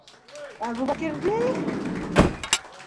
Әбүбәкерҙе?!